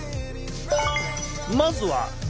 まずは「動」。